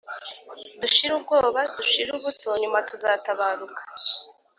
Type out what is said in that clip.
Dushire ubwoba dushire ubuto nyuma tuzatabaruka